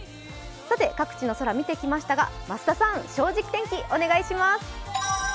各地の空見てきましたが、増田さん、「正直天気」お願いします。